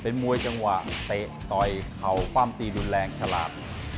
มวยจังหวะเตะต่อยเขาปั้มตีรุนแรงฉลาด